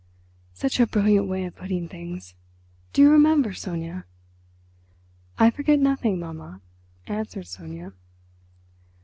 Such a brilliant way of putting things. Do you remember, Sonia?" "I forget nothing, mamma," answered Sonia.